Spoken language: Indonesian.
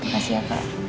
makasih ya pak